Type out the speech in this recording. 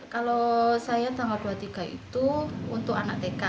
kalau saya tanggal dua puluh tiga itu untuk anak tk